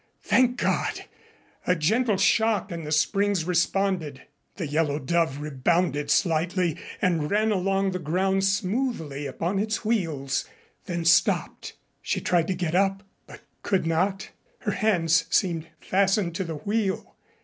Thank God! A gentle shock and the springs responded. The Yellow Dove rebounded slightly and ran along the ground smoothly upon its wheels then stopped. She tried to get up, but could not. Her hands seemed fastened to the wheel.